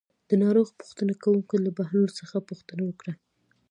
د ناروغ پوښتنه کوونکو له بهلول څخه پوښتنه وکړه.